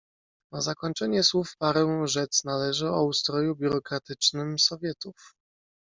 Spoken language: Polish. "Na zakończenie słów parę rzec należy o ustroju biurokratycznym Sowietów."